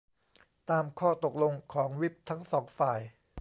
ตามข้อตกลงของวิปทั้งสองฝ่าย